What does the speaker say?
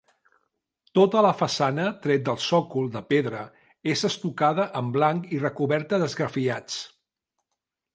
Tota la façana, tret del sòcol de pedra, és estucada en blanc i recoberta d'esgrafiats.